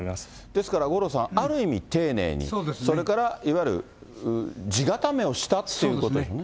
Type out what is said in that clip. ですから五郎さん、ある意味丁寧に、それからいわゆる地固めをしたということですね。